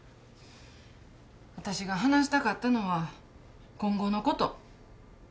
私が話したかったのは今後のこと。